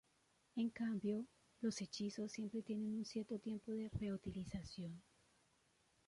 En cambio, los hechizos siempre tienen un cierto tiempo de reutilización.